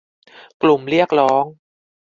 กลุ่มเรียกร้อง